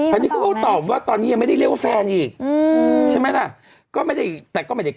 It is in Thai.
แต่คนนี้ก็ชัดเจนอยู่บ้างอันนี้เขาตอบเราไม่ใช่เหรอพี่